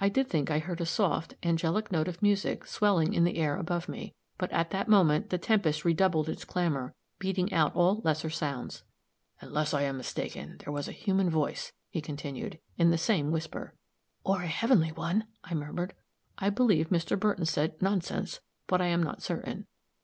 I did think I heard a soft, angelic note of music swelling in the air above me, but at that moment the tempest redoubled its clamor, beating out all lesser sounds. "Unless I am mistaken, there was a human voice," he continued, in the same whisper. "Or a heavenly one," I murmured. I believe Mr. Burton said "nonsense!" but I am not certain.